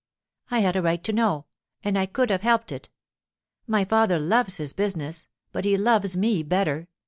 I had a right to know, and I could have helped it. My father loves his business, but he loves me better.